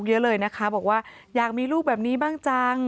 เยอะเลยนะคะบอกว่าอยากมีลูกแบบนี้บ้างจัง